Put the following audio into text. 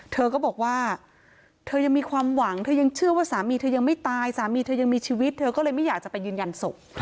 เธอก็บอกว่าเธอยังมีความหวังเธอยังเชื่อว่าสามีเธอยังไม่ตายสามีเธอยังมีชีวิตเธอก็เลยไม่อยากจะไปยืนยันศพ